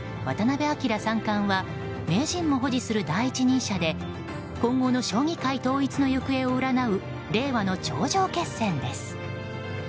渡辺明三冠は名人も保持する第一人者で今後の将棋界統一の行方を占う令和の頂上決戦です。